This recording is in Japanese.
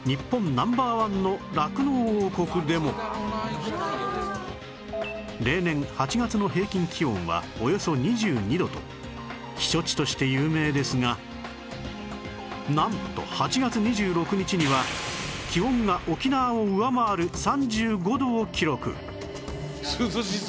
ナンバーワンの例年８月の平均気温はおよそ２２度と避暑地として有名ですがなんと８月２６日には気温が沖縄を上回る３５度を記録